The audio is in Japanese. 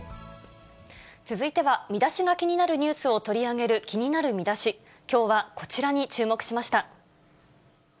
続いては、見出しが気になるニュースを取り上げる気になるミダシ、きょうはこちらに注目しました。